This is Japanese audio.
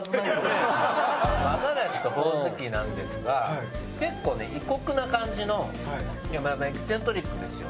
和ガラシとホオズキなんですが結構ね異国な感じのまあエキセントリックですよ。